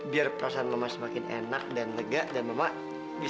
biar perasaan mama semakin enak dan lega